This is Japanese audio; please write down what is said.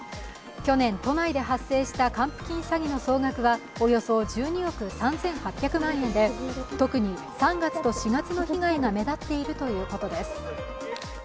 去年、都内で発生した還付金詐欺の総額はおよそ１２億３８００万円で、特に３月と４月の被害が目立っているということです。